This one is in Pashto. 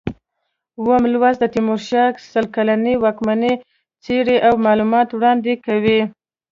اووم لوست د تیمورشاه شل کلنه واکمني څېړي او معلومات وړاندې کوي.